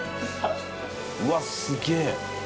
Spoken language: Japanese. うわすげえ。